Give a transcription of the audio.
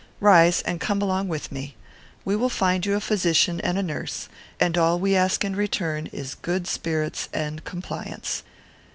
Rise, and come along with me. We will find you a physician and a nurse, and all we ask in return is good spirits and compliance."